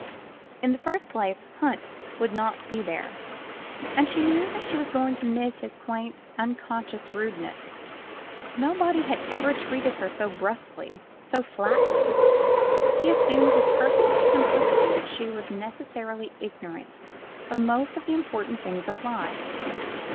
In the first place. Hunt would not be there, and she knew that she was going to miss his quaint, unconscious rudeness. Nobody had ever treated her so brusquely, so flatly. He assumed with perfect simplicity that she was necessarily ignorant of most of the important things of life.